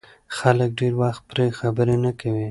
خلک ډېر وخت پرې خبرې نه کوي.